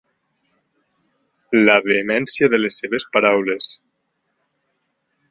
La vehemència de les seves paraules.